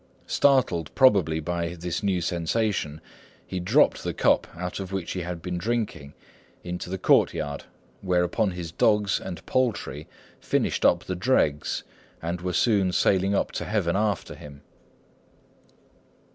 Startled probably by this new sensation, he dropped the cup out of which he had been drinking, into the courtyard; whereupon his dogs and poultry finished up the dregs, and were soon sailing up to heaven after him.